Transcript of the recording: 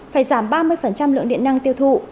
phải giảm ba mươi lượng điện năng tiêu thụ